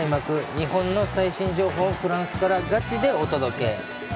日本の最新情報をフランスからガチでお届け。